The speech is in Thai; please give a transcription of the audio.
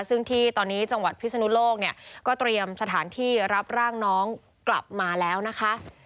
ซึ่งที่ตอนนี้จังหวัดพิศนุโลกเนี่ยก็เตรียมสถานที่รับร่างน้องกลับมาแล้วนะคะ